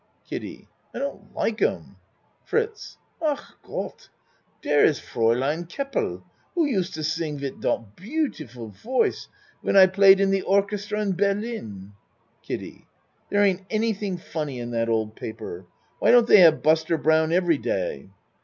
KIDDIE I don't like 'em. FRITZ Ach Gott! Der is Fraulein Keppel who used to sing wid dot beautiful voice when I played in the orchestra in Berlin. KIDDIE There ain't anything funny in that old paper. Why don't they have Buster Brown every day?